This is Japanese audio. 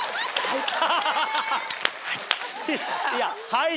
はい！